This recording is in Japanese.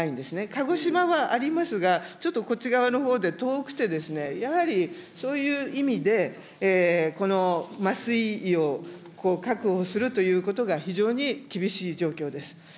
鹿児島はありますが、ちょっとこっち側のほうで遠くて、やはりそういう意味で、この麻酔医を確保するということが非常に厳しい状況です。